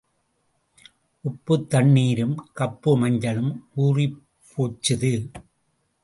உப்புத் தண்ணீரும் கப்பு மஞ்சளும் ஊறிப் போச்சுது.